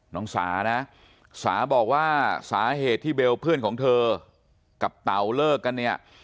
สานะสาบอกว่าสาเหตุที่เบลเพื่อนของเธอกับเต๋าเลิกกันเนี่ย